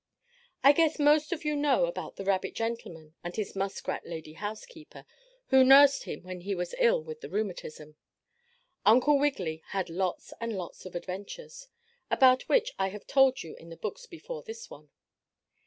I guess most of you know about the rabbit gentleman and his muskrat lady housekeeper who nursed him when he was ill with the rheumatism. Uncle Wiggily had lots and lots of adventures, about which I have told you in the books before this one.